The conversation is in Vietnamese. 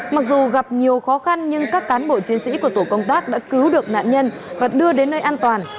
mặc dù gặp nhiều khó khăn nhưng các cán bộ chiến sĩ của tổ công tác đã cứu được nạn nhân và đưa đến nơi an toàn